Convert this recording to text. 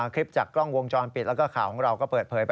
คลิปจากกล้องวงจรปิดแล้วก็ข่าวของเราก็เปิดเผยไป